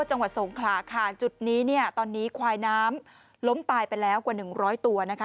จังหวัดสงขลาค่ะจุดนี้เนี่ยตอนนี้ควายน้ำล้มตายไปแล้วกว่าหนึ่งร้อยตัวนะคะ